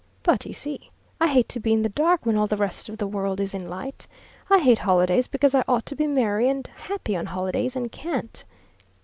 But, you see, I hate to be in the dark when all the rest of the world is in light. I hate holidays because I ought to be merry and happy on holidays and can't.